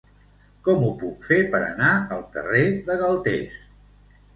Com ho puc fer per anar al carrer de Galtés?